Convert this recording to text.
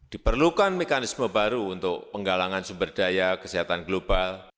diperlukan mekanisme baru untuk penggalangan sumber daya kesehatan global